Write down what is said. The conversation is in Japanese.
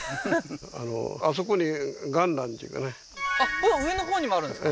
この上のほうにもあるんですか？